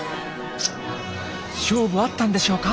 勝負あったんでしょうか？